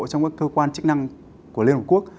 trong các cơ quan chức năng của liên hợp quốc